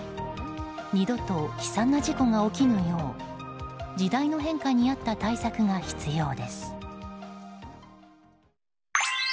二度と悲惨な事故が起きぬよう時代の変化に合った対策が必要です。